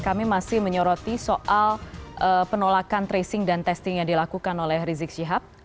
kami masih menyoroti soal penolakan tracing dan testing yang dilakukan oleh rizik syihab